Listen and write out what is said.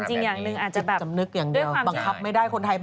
จิตจำนึกอย่างเดียวปังคับไม่ได้คนไทย